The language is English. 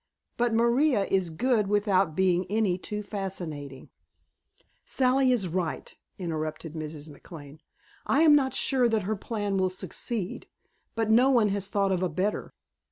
But Maria is good without being any too fascinating " "Sally is right," interrupted Mrs. McLane. "I am not sure that her plan will succeed. But no one has thought of a better.